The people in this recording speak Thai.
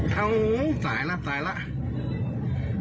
อ๋อตายแล้วตายแล้ว